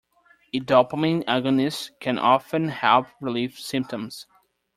A dopamine agonist can often help relieve symptoms.